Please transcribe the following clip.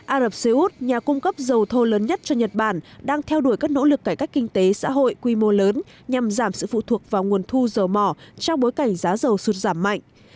ả rập xê út nhà cung cấp dầu thô lớn nhất cho nhật bản đang theo đuổi các nỗ lực cải cách kinh tế xã hội quy mô lớn nhằm giảm sự phụ thuộc vào nguồn thu dầu mỏ trong bối cảnh giá dầu sụt giảm mạnh